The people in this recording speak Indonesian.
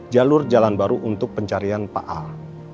jalur jalan baru untuk pencarian pak al